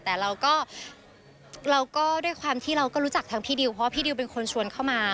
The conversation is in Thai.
แต่เราก็ด้วยความที่เราก็รู้จักทั้งพี่ดิวเพราะว่าพี่ดิวเป็นคนชวนเข้ามา